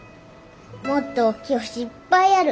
もっとおっきい星いっぱいある。